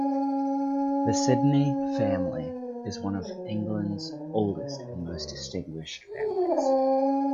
The Sidney family is one of England's oldest and most distinguished families.